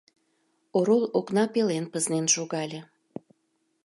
Орол окна пелен пызнен шогале.